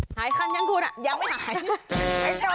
หายคันยังคูณอะยังไม่หาย